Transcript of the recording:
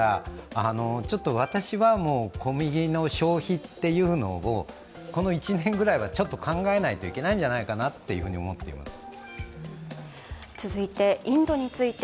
私は、小麦の消費というのをこの１年ぐらいはちょっと考えないといけないんじゃないかと思っています。